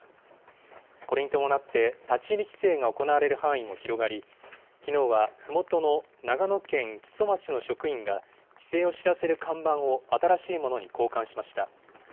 これに伴って、立ち入り規制が行われる範囲も広がり、きのうはふもとの長野県木曽町の職員が、規制を知らせる看板を新しいものに交換しました。